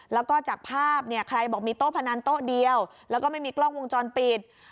แล้วก็จากภาพเนี่ยใครบอกมีโต๊ะพนันโต๊ะเดียวแล้วก็ไม่มีกล้องวงจรปิด